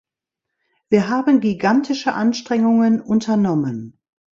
Wir haben gigantische Anstrengungen unternommen.